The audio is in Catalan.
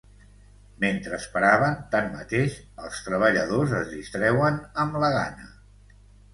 Mentre esperaven, tanmateix, els treballadors es distreuen amb la gana.